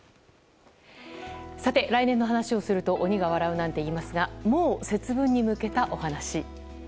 来年の話をすると鬼が笑うなんていいますがもう節分に向けた、お話。